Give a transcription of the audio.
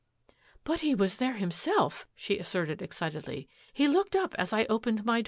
" But he was there himself," she asserted citedly. " He looked up as I opened my